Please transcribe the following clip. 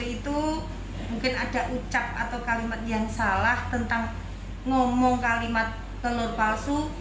itu mungkin ada ucap atau kalimat yang salah tentang ngomong kalimat telur palsu